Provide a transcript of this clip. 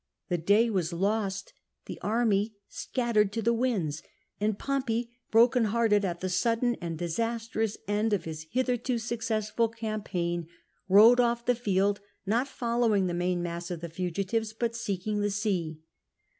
The day was lost, the army scattered to the winds, and Pompey, broken hearted at the sudden and disastrous end of his hitherto successful campaign, rode off the field, not following the main mass of the fugitives, hut seeking the sea.